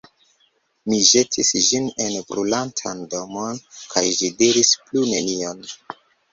Mi ĵetis ĝin en brulantan domon, kaj ĝi diris plu nenion.